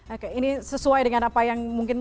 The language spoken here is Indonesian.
oke ini sesuai dengan apa yang mungkin